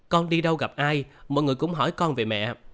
con đi đâu gặp ai mọi người cũng hỏi con về mẹ